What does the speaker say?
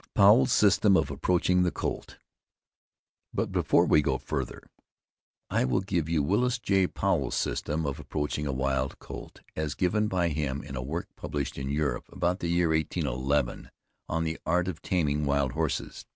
POWEL'S SYSTEM OF APPROACHING THE COLT. But, before we go further, I will give you Willis J. Powel's system of approaching a wild colt, as given by him in a work published in Europe, about the year 1811, on the "Art of taming wild horses."